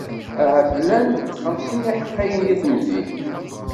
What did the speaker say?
Ahat llan xemsin n iḥeqqiyen di temdint.